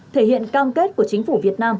thể hiện cam kết của chính phủ việt nam